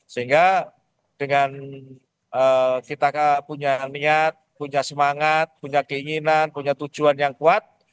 sehingga dengan kita punya niat punya semangat punya keinginan punya tujuan yang kuat